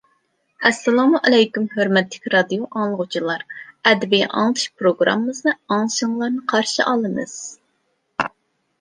ئەسسالامۇئەلەيكۇم ھۆرمەتلىك رادىئو ئاڭلىغۇچىلار، ئەدەبىي ئاڭلىتىش پروگراممىمىزنى ئاڭلىشىڭلارنى قارشى ئالىمىز.